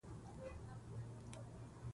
یو بل ته درناوی وکړو.